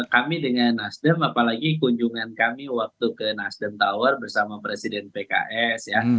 kami dengan nasdem apalagi kunjungan kami waktu ke nasdem tower bersama presiden pks ya